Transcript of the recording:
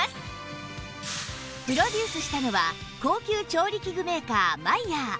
プロデュースしたのは高級調理器具メーカーマイヤー